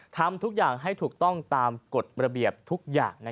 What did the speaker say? ทำทุกอย่างให้ถูกต้องตามกฎระเบียบทุกอย่าง